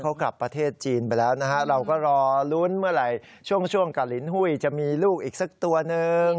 เขากลับประเทศจีนไปแล้วนะฮะเราก็รอลุ้นเมื่อไหร่ช่วงกะลินหุ้ยจะมีลูกอีกสักตัวหนึ่ง